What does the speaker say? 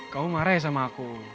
kamu marah ya sama aku